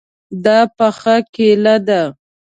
دا پخه کیله ده